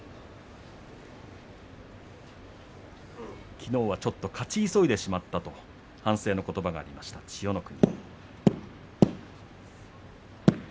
きのうはちょっと勝ち急いでしまったと反省のことばがありました千代の国。